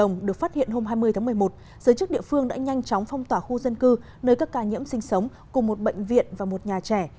giới chức địa phương đã nhanh chóng phong tỏa khu dân cư nơi các ca nhiễm sinh sống cùng một bệnh viện và một nhà trẻ